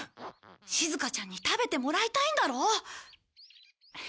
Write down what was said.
しずかちゃんに食べてもらいたいんだろ？